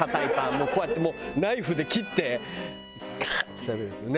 もうこうやってナイフで切ってカーッて食べるやつねえ。